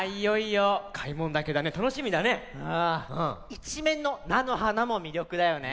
いちめんのなのはなもみりょくだよね。